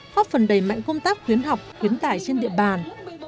góp phần đầy mạnh công tác khuyến học khuyến tải trên địa bàn